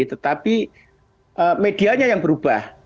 tetapi medianya yang berubah